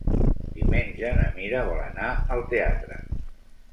Diumenge na Mira vol anar al teatre.